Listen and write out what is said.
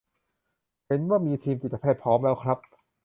เห็นว่ามีทีมจิตแพทย์พร้อมแล้วครับ